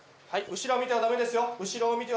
後ろを見てはダメですよ。